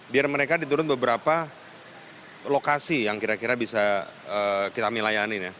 biar mereka diturunkan beberapa lokasi yang kira kira bisa kita milayani